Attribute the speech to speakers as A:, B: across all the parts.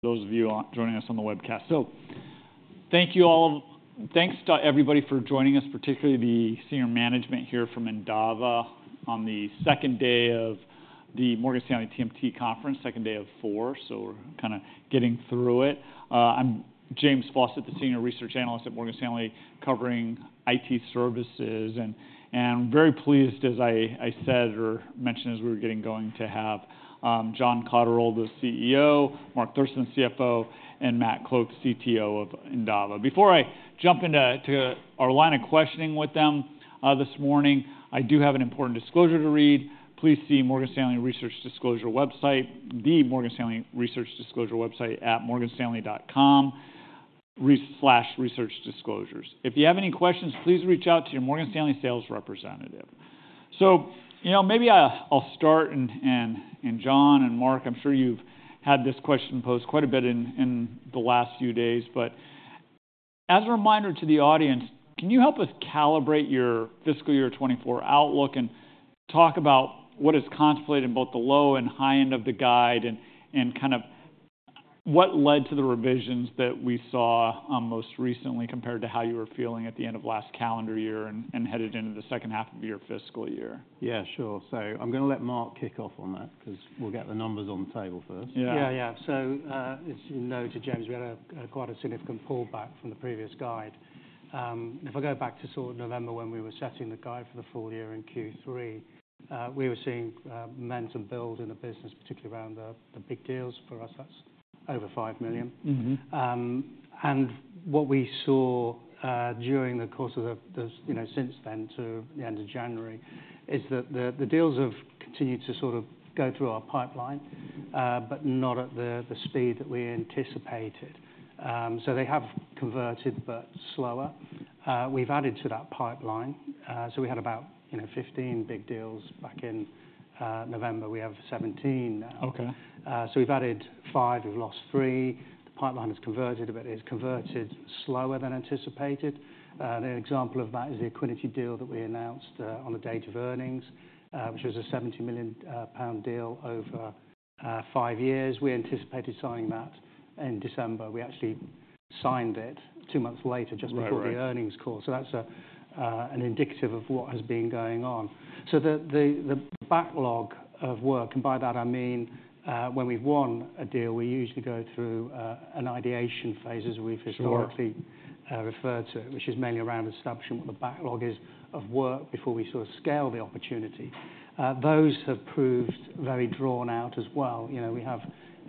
A: Those of you joining us on the webcast. So thank you all, thanks, everybody, for joining us, particularly the senior management here from Endava on the second day of the Morgan Stanley TMT Conference, second day of four, so we're kind of getting through it. I'm James Faucette, the senior research analyst at Morgan Stanley, covering IT services, and I'm very pleased, as I said or mentioned as we were getting going, to have John Cotterell, the CEO, Mark Thurston, CFO, and Matt Cloke, CTO of Endava. Before I jump into our line of questioning with them this morning, I do have an important disclosure to read. Please see Morgan Stanley Research Disclosure website, the Morgan Stanley Research Disclosure website at morganstanley.com/researchdisclosures. If you have any questions, please reach out to your Morgan Stanley sales representative. So maybe I'll start, and John and Mark, I'm sure you've had this question posed quite a bit in the last few days. But as a reminder to the audience, can you help us calibrate your fiscal year 2024 outlook and talk about what is contemplated in both the low and high end of the guide, and kind of what led to the revisions that we saw most recently compared to how you were feeling at the end of last calendar year and headed into the second half of your fiscal year?
B: Yeah, sure. So I'm going to let Mark kick off on that because we'll get the numbers on the table first.
C: Yeah, yeah. So as you know, to James, we had quite a significant pullback from the previous guide. If I go back to sort of November when we were setting the guide for the full year in Q3, we were seeing momentum build in the business, particularly around the big deals. For us, that's over 5 million. And what we saw during the course of the since then to the end of January is that the deals have continued to sort of go through our pipeline but not at the speed that we anticipated. So they have converted but slower. We've added to that pipeline. So we had about 15 big deals back in November. We have 17 now. So we've added five. We've lost three. The pipeline has converted, but it has converted slower than anticipated. An example of that is the Equiniti deal that we announced on the date of earnings, which was a 70 million pound deal over five years. We anticipated signing that in December. We actually signed it two months later, just before the earnings call. So that's indicative of what has been going on. So the backlog of work and by that, I mean, when we've won a deal, we usually go through an ideation phase, as we've historically referred to it, which is mainly around establishing what the backlog is of work before we sort of scale the opportunity. Those have proved very drawn out as well. We have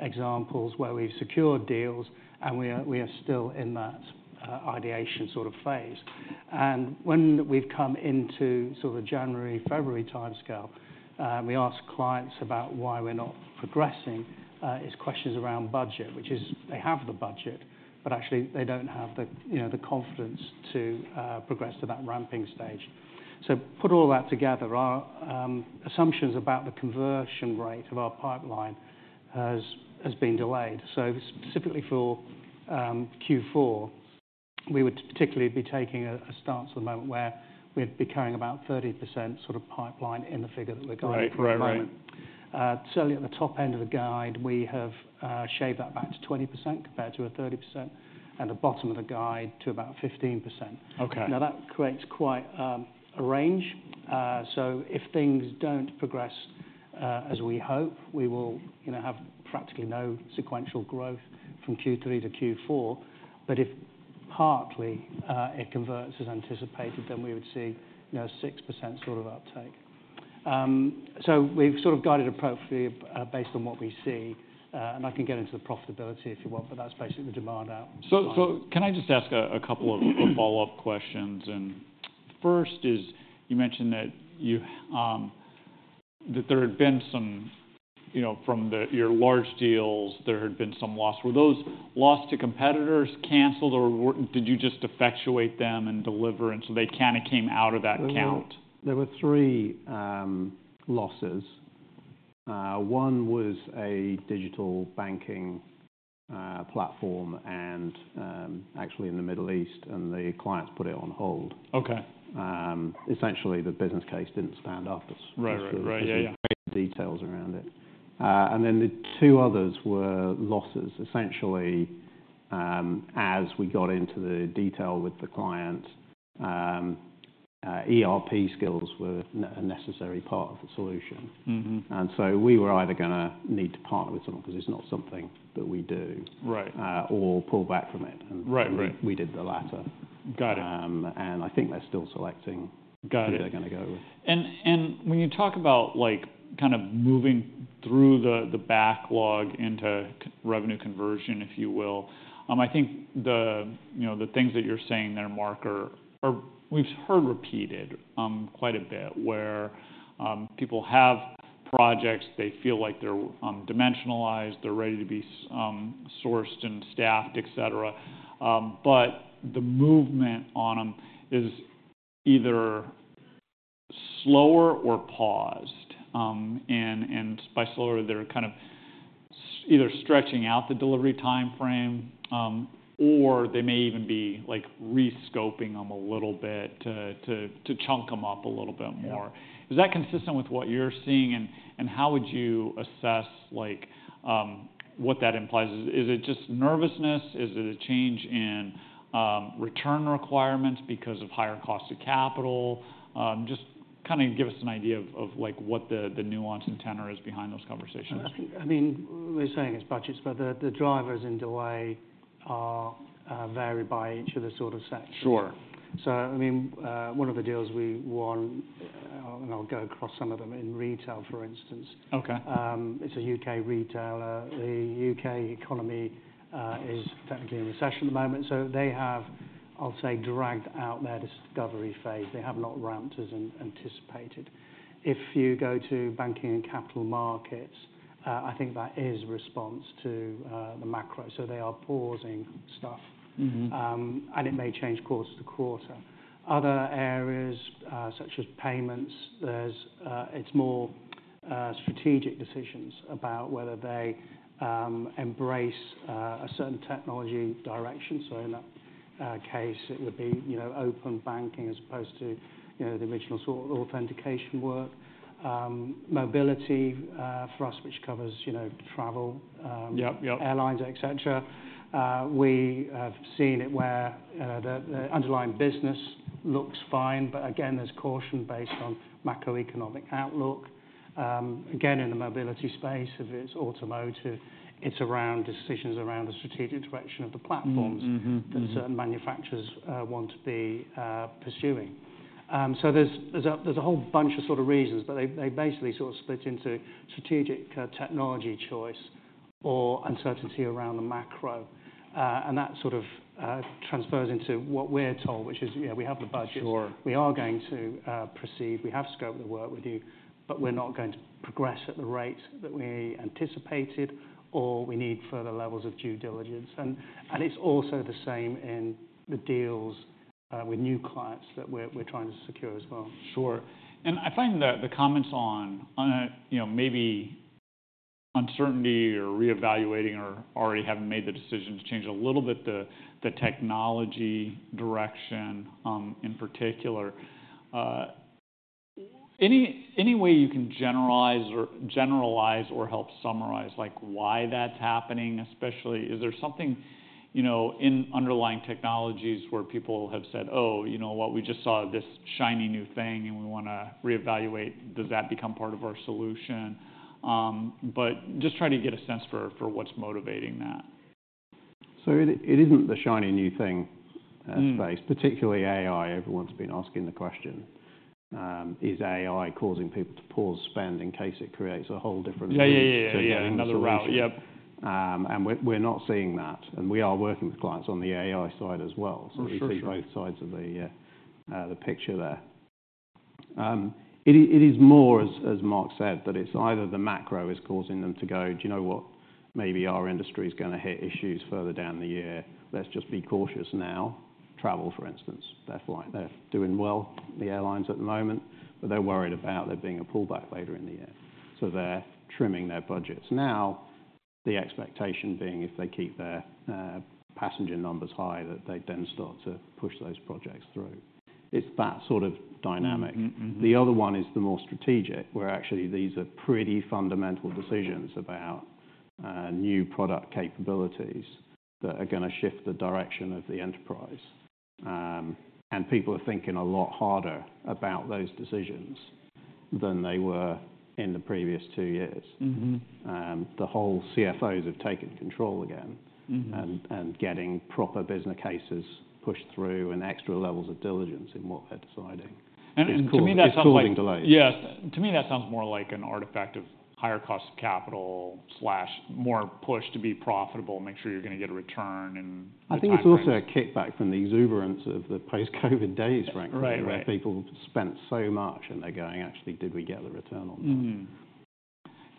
C: examples where we've secured deals, and we are still in that ideation sort of phase. And when we've come into sort of the January, February timescale, we ask clients about why we're not progressing. It's questions around budget, which is they have the budget, but actually they don't have the confidence to progress to that ramping stage. So put all that together, our assumptions about the conversion rate of our pipeline has been delayed. So specifically for Q4, we would particularly be taking a stance at the moment where we'd be carrying about 30% sort of pipeline in the figure that we're going with at the moment. Certainly at the top end of the guide, we have shaved that back to 20% compared to a 30%, and the bottom of the guide to about 15%. Now, that creates quite a range. So if things don't progress as we hope, we will have practically no sequential growth from Q3 to Q4. But if partly it converts as anticipated, then we would see a 6% sort of uptake. We've sort of guided appropriately based on what we see. I can get into the profitability if you want, but that's basically the demand out.
A: Can I just ask a couple of follow-up questions? The first is, you mentioned that there had been some losses from your large deals. Were those losses to competitors, canceled, or did you just effectuate them and deliver, and so they kind of came out of that count?
C: There were three losses. One was a digital banking platform, actually in the Middle East, and the clients put it on hold. Essentially, the business case didn't stand up. There's some great details around it. And then the two others were losses. Essentially, as we got into the detail with the client, ERP skills were a necessary part of the solution. And so we were either going to need to partner with someone because it's not something that we do, or pull back from it. And we did the latter. And I think they're still selecting who they're going to go with.
A: Got it. And when you talk about kind of moving through the backlog into revenue conversion, if you will, I think the things that you're saying there, Mark, we've heard repeated quite a bit where people have projects, they feel like they're dimensionalized, they're ready to be sourced and staffed, et cetera, but the movement on them is either slower or paused. And by slower, they're kind of either stretching out the delivery time frame, or they may even be rescoping them a little bit to chunk them up a little bit more. Is that consistent with what you're seeing, and how would you assess what that implies? Is it just nervousness? Is it a change in return requirements because of higher cost of capital? Just kind of give us an idea of what the nuance and tenor is behind those conversations.
C: I mean, we're saying it's budgets, but the drivers in delay vary by each of the sort of sectors. So I mean, one of the deals we won and I'll go across some of them in retail, for instance. It's a U.K. retailer. The U.K. economy is technically in recession at the moment. So they have, I'll say, dragged out their discovery phase. They have not ramped as anticipated. If you go to banking and capital markets, I think that is response to the macro. So they are pausing stuff, and it may change quarter to quarter. Other areas, such as payments, it's more strategic decisions about whether they embrace a certain technology direction. So in that case, it would be Open Banking as opposed to the original sort of authentication work. Mobility for us, which covers travel, airlines, et cetera, we have seen it where the underlying business looks fine, but again, there's caution based on macroeconomic outlook. Again, in the mobility space, if it's automotive, it's around decisions around the strategic direction of the platforms that certain manufacturers want to be pursuing. So there's a whole bunch of sort of reasons, but they basically sort of split into strategic technology choice or uncertainty around the macro. And that sort of transfers into what we're told, which is, yeah, we have the budget. We are going to proceed. We have scope to work with you, but we're not going to progress at the rate that we anticipated, or we need further levels of due diligence. And it's also the same in the deals with new clients that we're trying to secure as well.
A: Sure. I find that the comments on maybe uncertainty or reevaluating or already having made the decision to change a little bit the technology direction in particular, any way you can generalize or help summarize why that's happening, especially? Is there something in underlying technologies where people have said, "Oh, you know what? We just saw this shiny new thing, and we want to reevaluate. Does that become part of our solution?" Just try to get a sense for what's motivating that.
B: It isn't the shiny new thing space. Particularly AI, everyone's been asking the question, "Is AI causing people to pause spend in case it creates a whole different route to getting to the solution?
A: Yeah, yeah, yeah. Another route, yep.
B: We're not seeing that. We are working with clients on the AI side as well. So we see both sides of the picture there. It is more, as Mark said, that it's either the macro is causing them to go, "Do you know what? Maybe our industry is going to hit issues further down the year. Let's just be cautious now." Travel, for instance, they're doing well, the airlines, at the moment, but they're worried about there being a pullback later in the year. So they're trimming their budgets. Now, the expectation being if they keep their passenger numbers high, that they then start to push those projects through. It's that sort of dynamic. The other one is the more strategic, where actually these are pretty fundamental decisions about new product capabilities that are going to shift the direction of the enterprise. People are thinking a lot harder about those decisions than they were in the previous two years. The whole CFOs have taken control again and getting proper business cases pushed through and extra levels of diligence in what they're deciding.
A: To me, that sounds like.
B: It's causing delays.
A: Yeah. To me, that sounds more like an artifact of higher cost of capital/more push to be profitable, make sure you're going to get a return, and.
B: I think it's also a kickback from the exuberance of the post-COVID days, frankly, where people spent so much, and they're going, "Actually, did we get the return on time?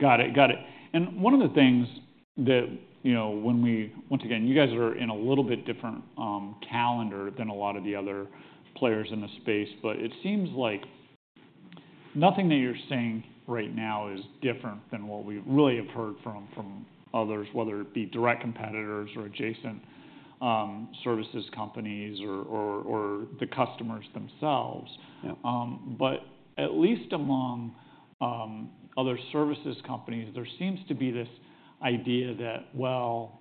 A: Got it, got it. One of the things that when we once again, you guys are in a little bit different calendar than a lot of the other players in the space, but it seems like nothing that you're saying right now is different than what we really have heard from others, whether it be direct competitors or adjacent services companies or the customers themselves. But at least among other services companies, there seems to be this idea that, well,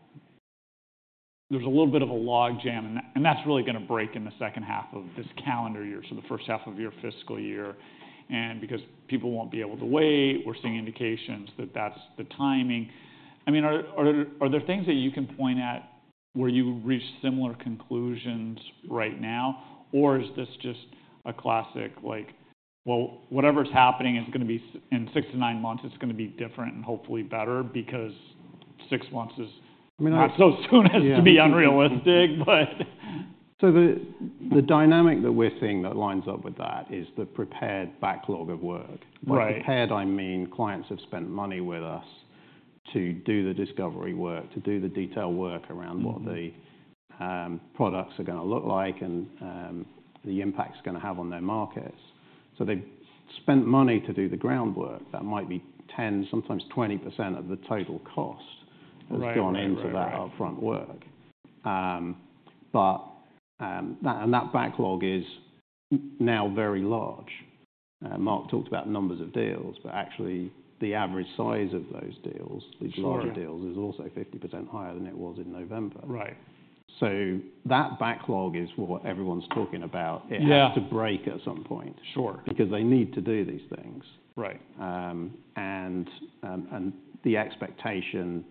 A: there's a little bit of a log jam, and that's really going to break in the second half of this calendar year, so the first half of your fiscal year. And because people won't be able to wait, we're seeing indications that that's the timing. I mean, are there things that you can point at where you reach similar conclusions right now, or is this just a classic, "Well, whatever's happening in 6-9 months, it's going to be different and hopefully better because 6 months is not so soon as to be unrealistic," but?
B: So the dynamic that we're seeing that lines up with that is the prepared backlog of work. By prepared, I mean clients have spent money with us to do the discovery work, to do the detail work around what the products are going to look like and the impact it's going to have on their markets. So they've spent money to do the groundwork. That might be 10%, sometimes 20% of the total cost that's gone into that upfront work. And that backlog is now very large. Mark talked about numbers of deals, but actually the average size of those deals, these larger deals, is also 50% higher than it was in November. So that backlog is what everyone's talking about. It has to break at some point because they need to do these things. The expectation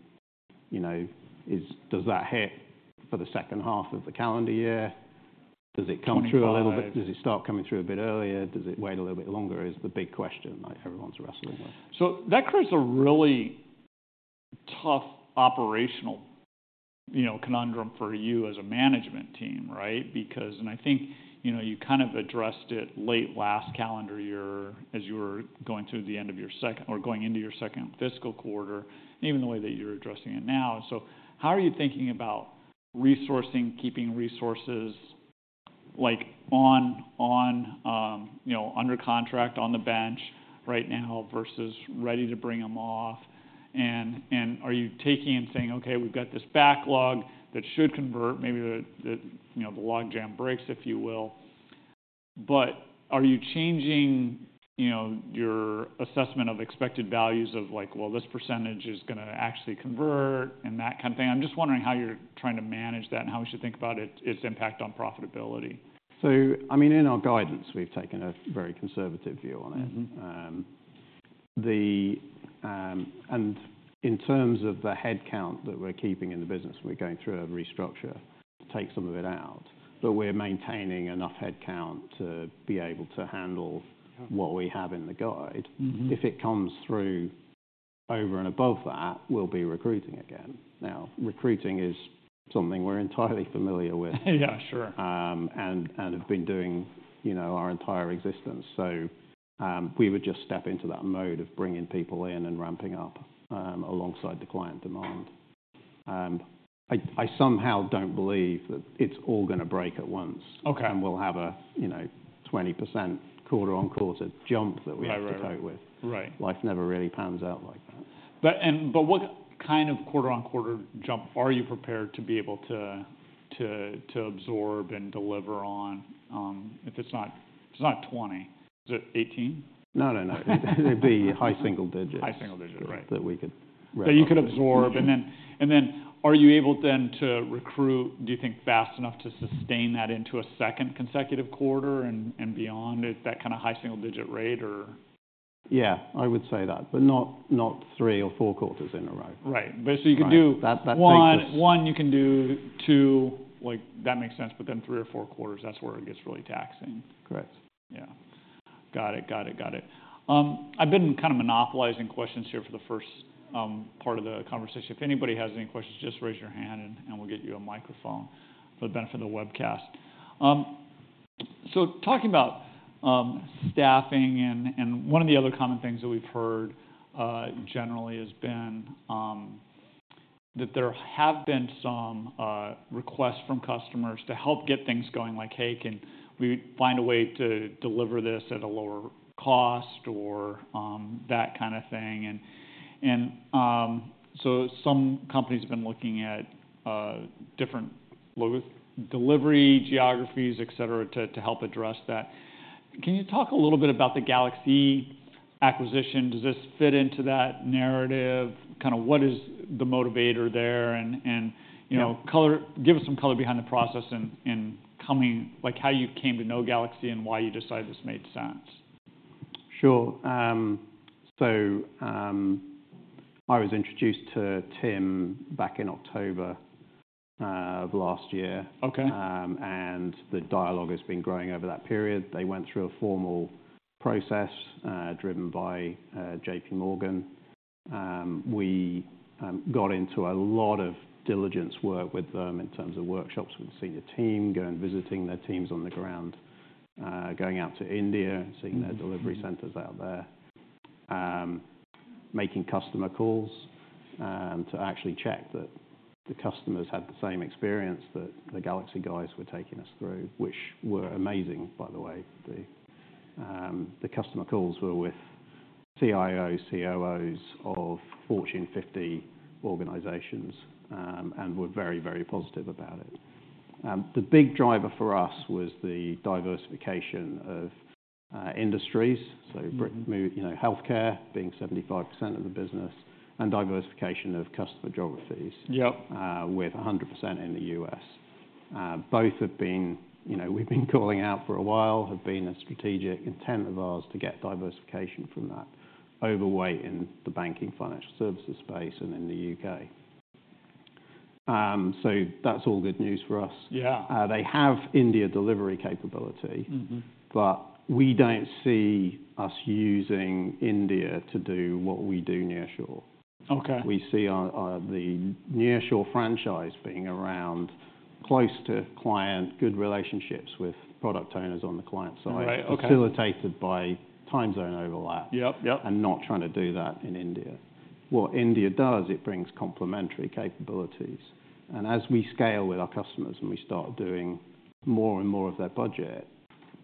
B: is, does that hit for the second half of the calendar year? Does it come through a little bit? Does it start coming through a bit earlier? Does it wait a little bit longer? Is the big question everyone's wrestling with.
A: So that creates a really tough operational conundrum for you as a management team, right? I think you kind of addressed it late last calendar year as you were going through the end of your second or going into your second fiscal quarter, even the way that you're addressing it now. So how are you thinking about resourcing, keeping resources under contract on the bench right now versus ready to bring them off? Are you taking and saying, "Okay, we've got this backlog that should convert. Maybe the log jam breaks, if you will." But are you changing your assessment of expected values of like, "Well, this percentage is going to actually convert," and that kind of thing? I'm just wondering how you're trying to manage that and how we should think about its impact on profitability.
C: So I mean, in our guidance, we've taken a very conservative view on it. In terms of the headcount that we're keeping in the business, we're going through a restructure to take some of it out, but we're maintaining enough headcount to be able to handle what we have in the guide. If it comes through over and above that, we'll be recruiting again. Now, recruiting is something we're entirely familiar with and have been doing our entire existence. We would just step into that mode of bringing people in and ramping up alongside the client demand. I somehow don't believe that it's all going to break at once, and we'll have a 20% quarter-on-quarter jump that we have to cope with. Life never really pans out like that.
A: What kind of quarter-on-quarter jump are you prepared to be able to absorb and deliver on if it's not 20? Is it 18?
C: No, no, no. It'd be high single digits that we could revenue-.
A: That you could absorb. And then are you able then to recruit, do you think, fast enough to sustain that into a second consecutive quarter and beyond at that kind of high single digit rate, or?
C: Yeah, I would say that, but not three or four quarters in a row.
A: Right. But so you could do one, you can do two. That makes sense. But then three or four quarters, that's where it gets really taxing.
C: Correct.
A: Yeah. Got it, got it, got it. I've been kind of monopolizing questions here for the first part of the conversation. If anybody has any questions, just raise your hand, and we'll get you a microphone for the benefit of the webcast. So talking about staffing, and one of the other common things that we've heard generally has been that there have been some requests from customers to help get things going like, "Hey, can we find a way to deliver this at a lower cost?" or that kind of thing. And so some companies have been looking at different delivery geographies, et cetera, to help address that. Can you talk a little bit about the GalaxE acquisition? Does this fit into that narrative? Kind of what is the motivator there? Give us some color behind the process and how you came to know GalaxE and why you decided this made sense.
C: Sure. So I was introduced to Tim back in October of last year, and the dialogue has been growing over that period. They went through a formal process driven by J.P. Morgan. We got into a lot of diligence work with them in terms of workshops with the senior team, going and visiting their teams on the ground, going out to India, seeing their delivery centers out there, making customer calls to actually check that the customers had the same experience that the GalaxE guys were taking us through, which were amazing, by the way. The customer calls were with CIOs, COOs of Fortune 50 organizations, and were very, very positive about it. The big driver for us was the diversification of industries. So healthcare being 75% of the business and diversification of customer geographies with 100% in the U.S. Both have been. We've been calling out for a while, have been a strategic intent of ours to get diversification from that overweight in the banking, financial services space, and in the U.K. So that's all good news for us. They have India delivery capability, but we don't see us using India to do what we do nearshore. We see the nearshore franchise being around close to client, good relationships with product owners on the client side, facilitated by time zone overlap and not trying to do that in India. What India does, it brings complementary capabilities. And as we scale with our customers and we start doing more and more of their budget,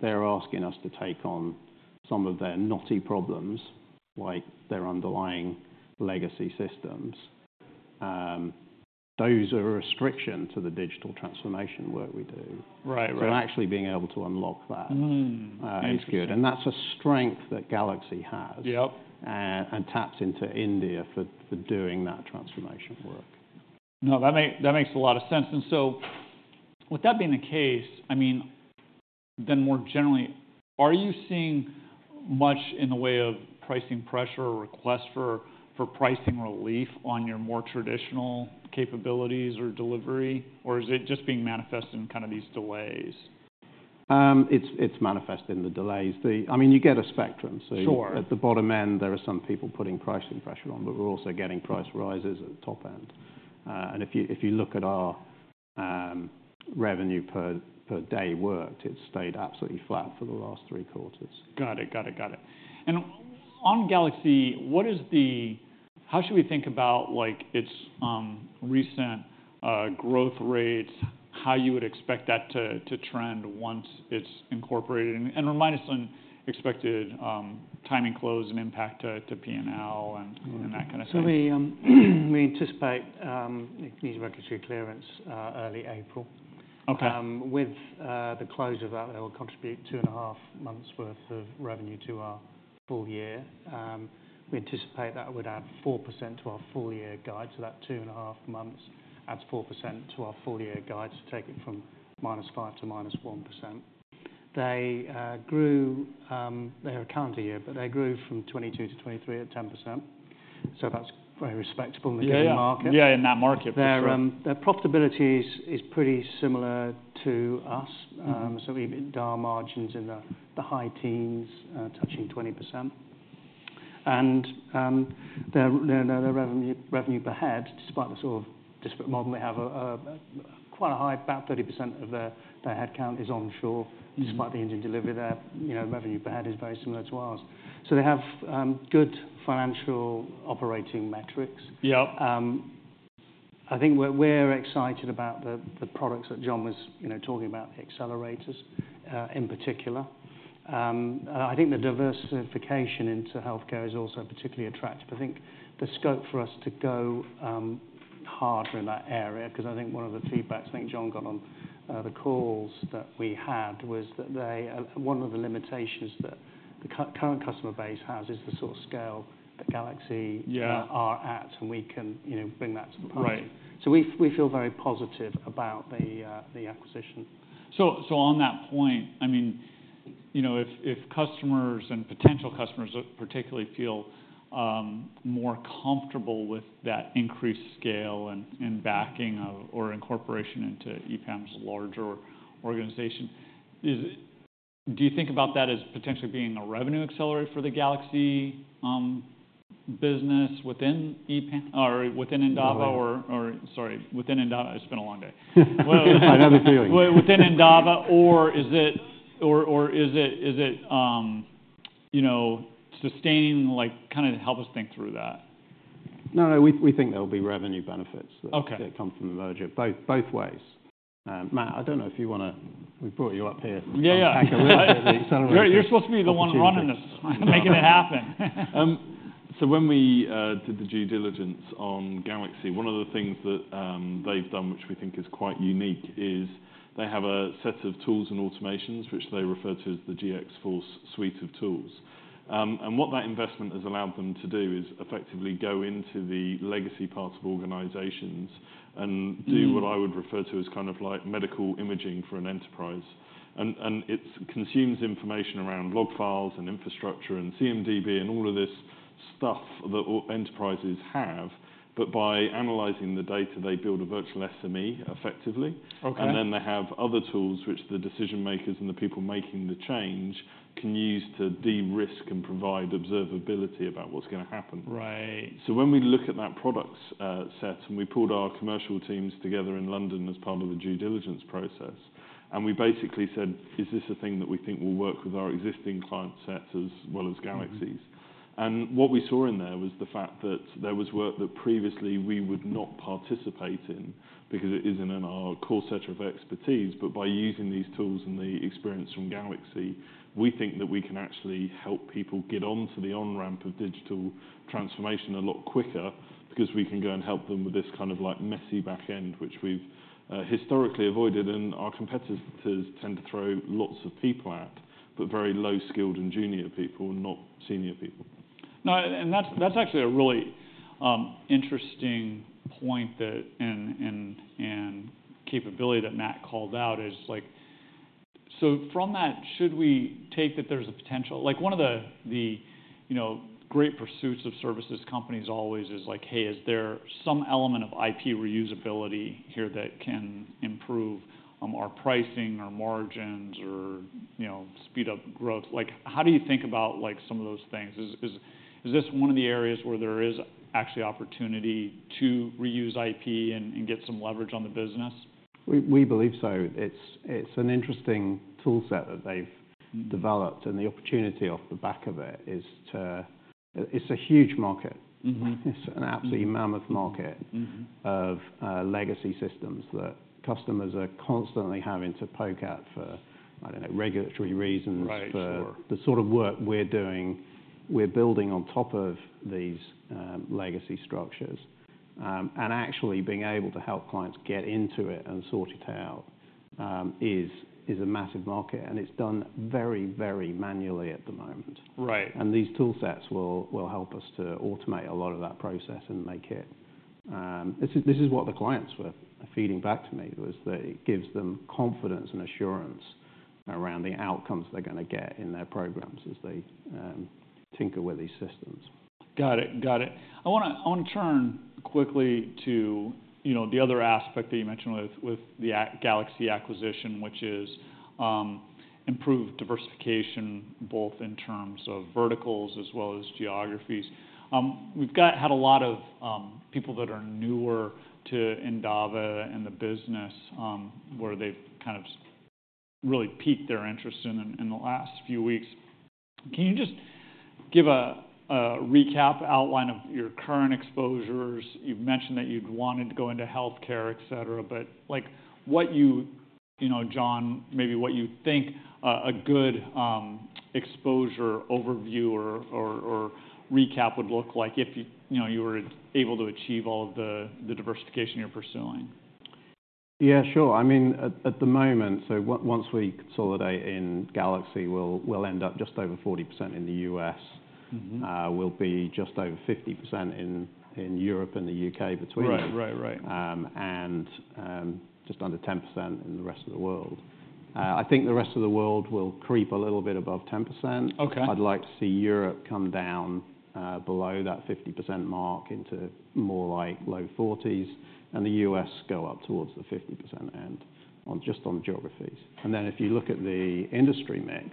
C: they're asking us to take on some of their knotty problems like their underlying legacy systems. Those are a restriction to the digital transformation work we do. So actually being able to unlock that is good. That's a strength that GalaxE has and taps into India for doing that transformation work.
A: No, that makes a lot of sense. And so with that being the case, I mean, then more generally, are you seeing much in the way of pricing pressure or requests for pricing relief on your more traditional capabilities or delivery, or is it just being manifested in kind of these delays?
C: It's manifested in the delays. I mean, you get a spectrum. So at the bottom end, there are some people putting pricing pressure on, but we're also getting price rises at the top end. If you look at our revenue per day worked, it's stayed absolutely flat for the last three quarters.
A: Got it, got it, got it. And on GalaxE, how should we think about its recent growth rates, how you would expect that to trend once it's incorporated? And remind us on expected timing close and impact to P&L and that kind of thing.
D: So we anticipate the new markets requirements early April. With the close of that, that will contribute two and a half months' worth of revenue to our full year. We anticipate that would add 4% to our full year guide. So that two and a half months adds 4% to our full year guide, so take it from -5% to -1%. They are a calendar year, but they grew from 2022 to 2023 at 10%. So that's very respectable in the given market.
A: Yeah, in that market, for sure.
D: Their profitability is pretty similar to us. So we've hit our margins in the high teens, touching 20%. And their revenue per head, despite the sort of disparate model, they have quite a high, about 30% of their headcount is onshore. Despite the Indian delivery there, revenue per head is very similar to ours. So they have good financial operating metrics. I think we're excited about the products that John was talking about, the accelerators in particular. I think the diversification into healthcare is also particularly attractive. I think the scope for us to go harder in that area because I think one of the feedbacks I think John got on the calls that we had was that one of the limitations that the current customer base has is the sort of scale that GalaxE are at, and we can bring that to the point. We feel very positive about the acquisition.
A: So on that point, I mean, if customers and potential customers particularly feel more comfortable with that increased scale and backing or incorporation into EPAM's larger organization, do you think about that as potentially being a revenue accelerator for the GalaxE business within EPAM or within Endava or sorry, within Endava it's been a long day?
C: I have a feeling.
A: Within Endava, or is it sustaining? Kind of, help us think through that?
C: No, no, we think there'll be revenue benefits that come from the merger, both ways. Matt, I don't know if you want to, we've brought you up here to unpack a little bit of the accelerator.
A: You're supposed to be the one running this, making it happen.
D: So when we did the due diligence on GalaxE, one of the things that they've done, which we think is quite unique, is they have a set of tools and automations, which they refer to as the GxForce suite of tools. And what that investment has allowed them to do is effectively go into the legacy part of organizations and do what I would refer to as kind of like medical imaging for an enterprise. And it consumes information around log files and infrastructure and CMDB and all of this stuff that enterprises have. But by analyzing the data, they build a virtual SME effectively. And then they have other tools which the decision makers and the people making the change can use to de-risk and provide observability about what's going to happen. So when we look at that product set and we pulled our commercial teams together in London as part of the due diligence process, and we basically said, "Is this a thing that we think will work with our existing client sets as well as GalaxE's?" And what we saw in there was the fact that there was work that previously we would not participate in because it isn't in our core set of expertise. But by using these tools and the experience from GalaxE, we think that we can actually help people get onto the on-ramp of digital transformation a lot quicker because we can go and help them with this kind of messy back end, which we've historically avoided and our competitors tend to throw lots of people at, but very low-skilled and junior people, not senior people.
A: No, and that's actually a really interesting point and capability that Matt called out. So from that, should we take that there's a potential one of the great pursuits of services companies always is like, "Hey, is there some element of IP reusability here that can improve our pricing, our margins, or speed up growth?" How do you think about some of those things? Is this one of the areas where there is actually opportunity to reuse IP and get some leverage on the business?
C: We believe so. It's an interesting toolset that they've developed, and the opportunity off the back of it is to—it's a huge market. It's an absolute mammoth market of legacy systems that customers are constantly having to poke at for, I don't know, regulatory reasons. The sort of work we're doing, we're building on top of these legacy structures. And actually being able to help clients get into it and sort it out is a massive market, and it's done very, very manually at the moment. And these toolsets will help us to automate a lot of that process and make it. This is what the clients were feeding back to me, was that it gives them confidence and assurance around the outcomes they're going to get in their programs as they tinker with these systems.
A: Got it, got it. I want to turn quickly to the other aspect that you mentioned with the GalaxE acquisition, which is improved diversification, both in terms of verticals as well as geographies. We've had a lot of people that are newer to Endava and the business where they've kind of really piqued their interest in the last few weeks. Can you just give a recap outline of your current exposures? You've mentioned that you'd wanted to go into healthcare, et cetera, but what you, John, maybe what you think a good exposure overview or recap would look like if you were able to achieve all of the diversification you're pursuing?
B: Yeah, sure. I mean, at the moment, so once we consolidate in GalaxE, we'll end up just over 40% in the U.S. We'll be just over 50% in Europe and the U.K. between those, and just under 10% in the rest of the world. I think the rest of the world will creep a little bit above 10%. I'd like to see Europe come down below that 50% mark into more like low 40s and the U.S. go up towards the 50% end just on geographies. And then if you look at the industry mix,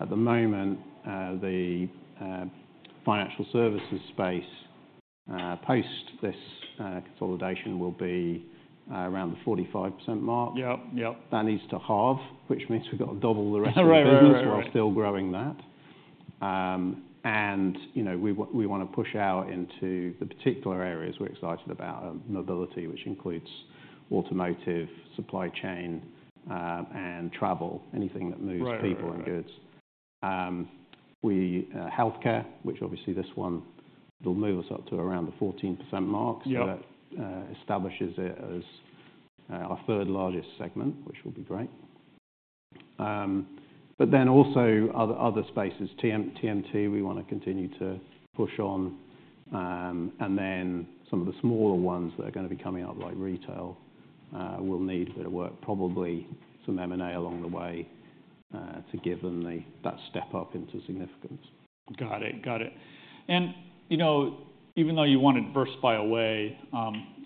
B: at the moment, the financial services space post this consolidation will be around the 45% mark. That needs to halve, which means we've got to double the rest of the business while still growing that. And we want to push out into the particular areas we're excited about, mobility, which includes automotive, supply chain, and travel, anything that moves people and goods. Healthcare, which obviously this one will move us up to around the 14% mark. So that establishes it as our third largest segment, which will be great. But then also other spaces, TMT, we want to continue to push on. And then some of the smaller ones that are going to be coming up like retail will need a bit of work, probably some M&A along the way to give them that step up into significance.
A: Got it, got it. Even though you wanted diversification by the way,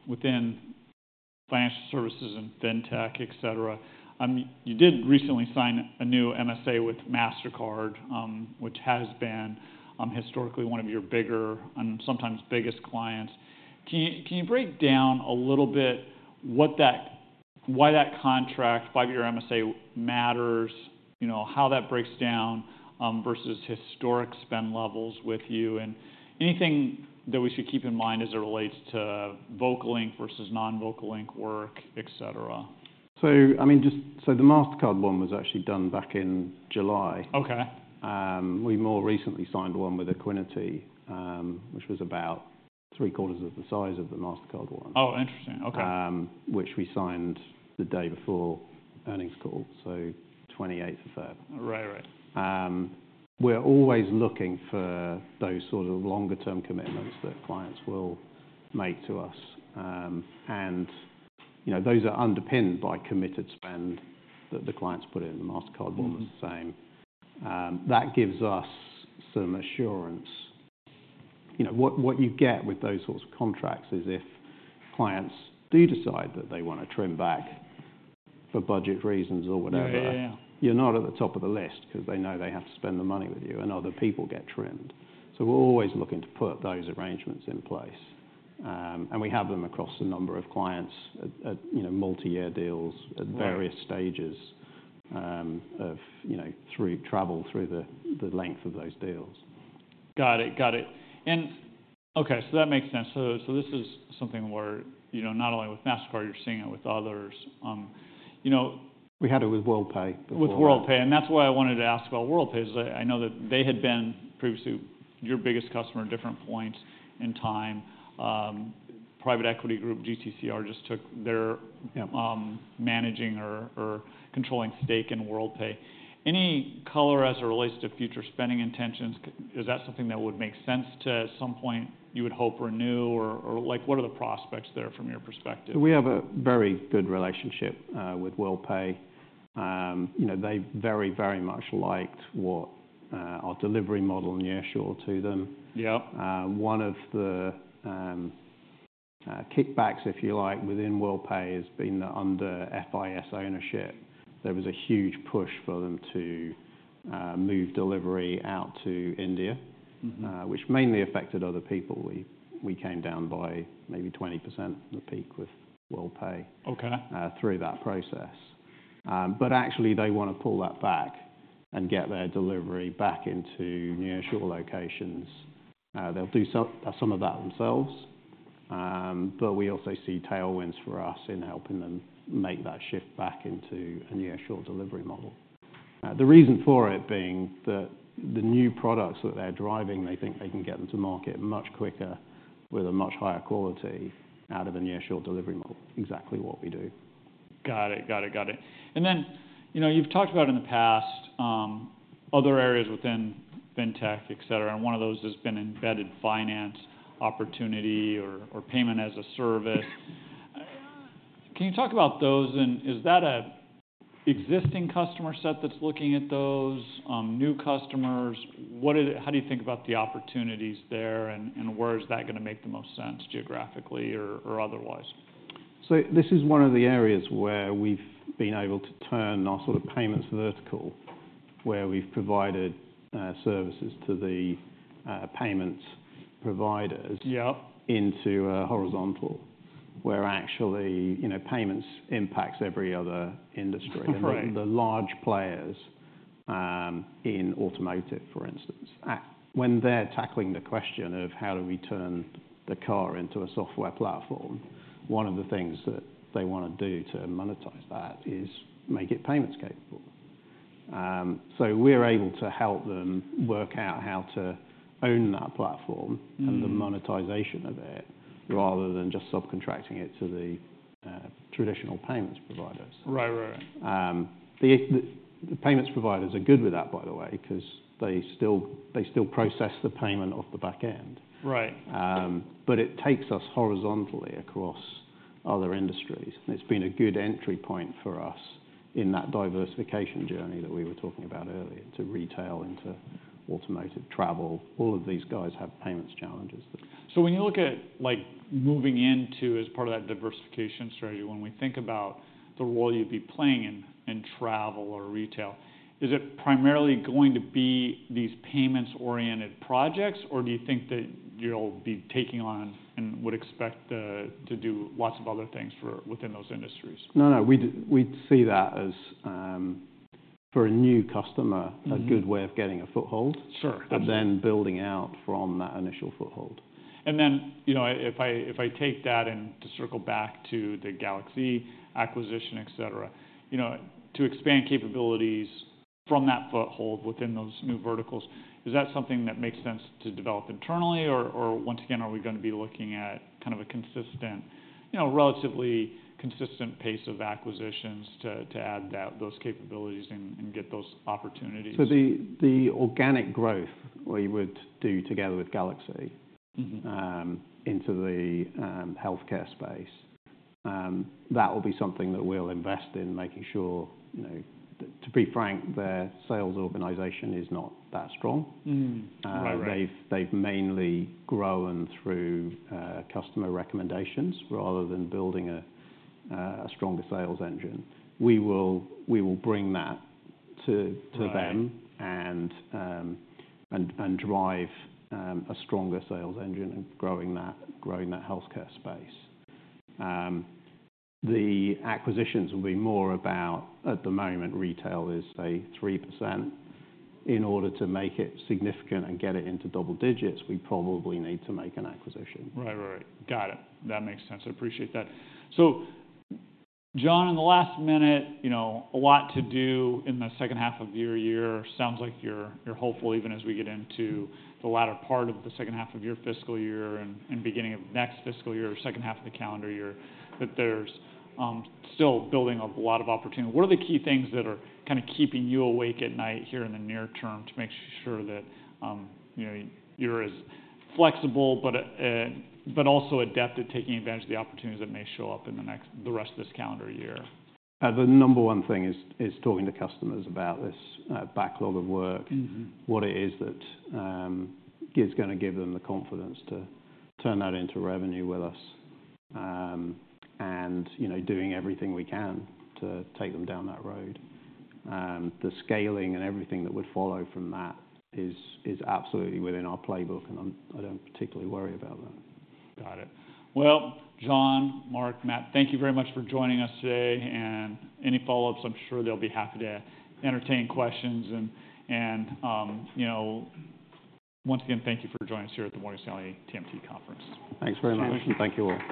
A: within financial services and fintech, et cetera, you did recently sign a new MSA with Mastercard, which has been historically one of your bigger and sometimes biggest clients. Can you break down a little bit why that contract, five-year MSA, matters, how that breaks down versus historic spend levels with you? Anything that we should keep in mind as it relates to Vocalink versus non-Vocalink work, et cetera?
B: So I mean, just so the Mastercard one was actually done back in July. We more recently signed one with Equiniti, which was about three-quarters of the size of the Mastercard one, which we signed the day before earnings call, so 28th of February. We're always looking for those sort of longer-term commitments that clients will make to us. And those are underpinned by committed spend that the clients put in. The Mastercard one was the same. That gives us some assurance. What you get with those sorts of contracts is if clients do decide that they want to trim back for budget reasons or whatever, you're not at the top of the list because they know they have to spend the money with you and other people get trimmed. So we're always looking to put those arrangements in place. We have them across a number of clients at multi-year deals at various stages through travel through the length of those deals.
A: Got it, got it. Okay, so that makes sense. This is something where not only with Mastercard, you're seeing it with others.
C: We had it with Worldpay before.
A: With Worldpay. That's why I wanted to ask about Worldpay is I know that they had been previously your biggest customer at different points in time. Private equity group GTCR just took their managing or controlling stake in Worldpay. Any color as it relates to future spending intentions? Is that something that would make sense to at some point you would hope renew, or what are the prospects there from your perspective?
B: We have a very good relationship with Worldpay. They very, very much liked what our delivery model nearshore to them. One of the kickbacks, if you like, within Worldpay has been under FIS ownership. There was a huge push for them to move delivery out to India, which mainly affected other people. We came down by maybe 20% at the peak with Worldpay through that process. But actually, they want to pull that back and get their delivery back into nearshore locations. They'll do some of that themselves. But we also see tailwinds for us in helping them make that shift back into a nearshore delivery model. The reason for it being that the new products that they're driving, they think they can get them to market much quicker with a much higher quality out of a nearshore delivery model, exactly what we do.
A: Got it, got it, got it. And then you've talked about in the past other areas within fintech, et cetera, and one of those has been embedded finance opportunity or payment as a service. Can you talk about those? And is that an existing customer set that's looking at those, new customers? How do you think about the opportunities there, and where is that going to make the most sense geographically or otherwise?
B: So this is one of the areas where we've been able to turn our sort of payments vertical, where we've provided services to the payments providers into a horizontal where actually payments impacts every other industry. And then the large players in automotive, for instance, when they're tackling the question of how do we turn the car into a software platform, one of the things that they want to do to monetize that is make it payments capable. So we're able to help them work out how to own that platform and the monetization of it rather than just subcontracting it to the traditional payments providers. The payments providers are good with that, by the way, because they still process the payment off the back end. But it takes us horizontally across other industries. It's been a good entry point for us in that diversification journey that we were talking about earlier, to retail, into automotive, travel. All of these guys have payments challenges.
A: When you look at moving into as part of that diversification strategy, when we think about the role you'd be playing in travel or retail, is it primarily going to be these payments-oriented projects, or do you think that you'll be taking on and would expect to do lots of other things within those industries?
C: No, no. We'd see that as for a new customer, a good way of getting a foothold and then building out from that initial foothold.
A: And then if I take that and to circle back to the GalaxE acquisition, et cetera, to expand capabilities from that foothold within those new verticals, is that something that makes sense to develop internally? Or once again, are we going to be looking at kind of a relatively consistent pace of acquisitions to add those capabilities and get those opportunities?
B: So the organic growth we would do together with GalaxE into the healthcare space, that will be something that we'll invest in, making sure to be frank, their sales organization is not that strong. They've mainly grown through customer recommendations rather than building a stronger sales engine. We will bring that to them and drive a stronger sales engine and growing that healthcare space. The acquisitions will be more about at the moment, retail is, say, 3%. In order to make it significant and get it into double digits, we probably need to make an acquisition.
A: Right, right, right. Got it. That makes sense. I appreciate that. So John, in the last minute, a lot to do in the second half of year. Sounds like you're hopeful even as we get into the latter part of the second half of your fiscal year and beginning of next fiscal year, second half of the calendar year, that there's still building up a lot of opportunity. What are the key things that are kind of keeping you awake at night here in the near term to make sure that you're as flexible but also adept at taking advantage of the opportunities that may show up in the rest of this calendar year?
B: The number one thing is talking to customers about this backlog of work, what it is that is going to give them the confidence to turn that into revenue with us, and doing everything we can to take them down that road. The scaling and everything that would follow from that is absolutely within our playbook, and I don't particularly worry about that.
A: Got it. Well, John, Mark, Matt, thank you very much for joining us today. And any follow-ups, I'm sure they'll be happy to entertain questions. And once again, thank you for joining us here at the Morgan Stanley TMT Conference.
B: Thanks very much. Thank you all.